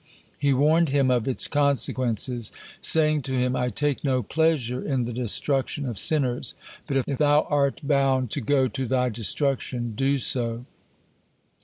He warned him of its consequences, saying to him: "I take no pleasure in the destruction of sinners, but if thou are bound to go to thy destruction, do so!